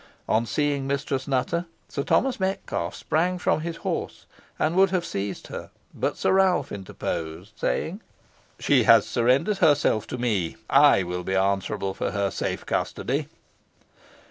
On seeing Mistress Nutter, Sir Thomas Metcalfe sprang from his horse, and would have seized her, but Sir Ralph interposed, saying "She has surrendered herself to me. I will be answerable for her safe custody."